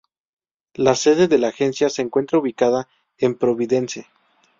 La sede de la agencia se encuentra ubicada en Providence.